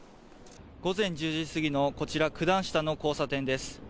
午前１０時過ぎの九段下の交差点です。